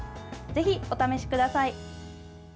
ぜひ、お試しください。